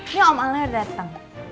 ini om alnya udah dateng